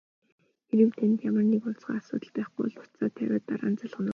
Хэрэв танд ямар нэг онцгой асуудал байхгүй бол утсаа тавиад дараа залгана уу?